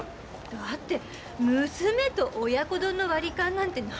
だって娘と親子丼の割り勘なんてないでしょ？